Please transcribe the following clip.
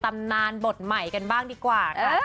ตำนานบทใหม่กันบ้างดีกว่าค่ะ